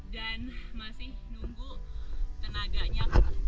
dan masih nunggu tenaganya